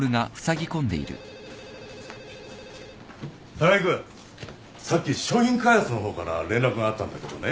高木君さっき商品開発の方から連絡があったんだけどね。